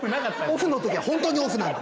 オフの時はホントにオフなんで。